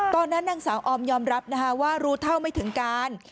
ตอนนั้นนางสาวออมยอมรับว่ารู้เท่าไม่ถึงการ